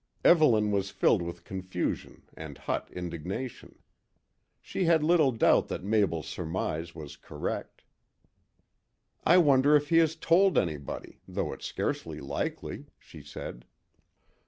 Evelyn was filled with confusion and hot indignation. She had little doubt that Mabel's surmise was correct. "I wonder if he has told anybody, though it's scarcely likely," she said.